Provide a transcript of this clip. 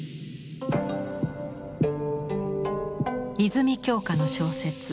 泉鏡花の小説